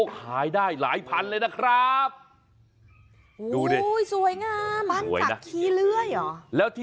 ขายได้หลายพันเลยนะครับดูดิสวยงามหลายแต่ขี้เลี้ยหรอแล้วที่